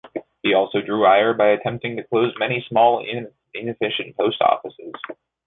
He also drew ire by attempting to close many small and inefficient post offices.